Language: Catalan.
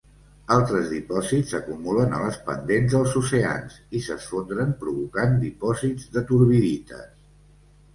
Altres dipòsits s'acumulen a les pendents dels oceans i s'esfondren provocant dipòsits de turbidites.